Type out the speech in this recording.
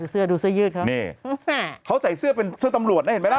เสื้อดูเสื้อยืดเขานี่เขาใส่เสื้อเป็นเสื้อตำรวจนะเห็นไหมล่ะ